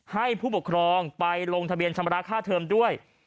ให้ผู้ปกครองไปลงทะเบียนชำระค่าเทอมด้วย